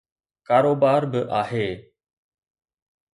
ڪاروبار به آهي.